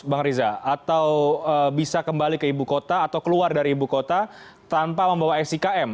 bang riza atau bisa kembali ke ibu kota atau keluar dari ibu kota tanpa membawa sikm